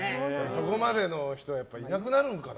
そこまでの人はいなくなるのかな。